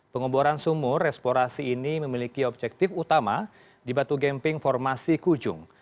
pengeboran sumur eksplorasi ini memiliki objektif utama di batu gamping formasi kujung